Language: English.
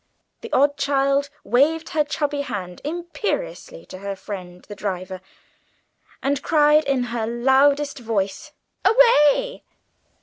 The odd child waved her chubby hand imperiously to her friend the driver, and cried in her loudest voice, "Away!"